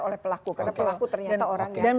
oleh pelaku karena pelaku ternyata orang yang